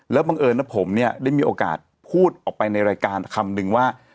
แล้วบังเอิญนะผมเนี่ยได้มีโอกาสพูดออกไปในรายการคำนึงว่า